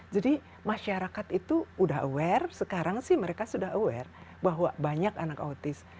jadi masyarakat itu sudah aware sekarang sih mereka sudah aware bahwa banyak anak autis